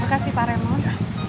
makasih pak raymond